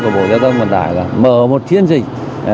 của bộ giao thông cần tài là mở một chiến dịch